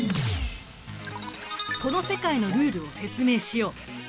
この世界のルールを説明しよう。